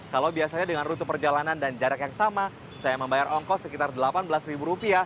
kalau biasanya dengan rute perjalanan dan jarak yang sama saya membayar ongkos sekitar rp delapan belas